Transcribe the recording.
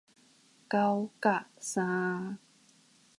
九甲三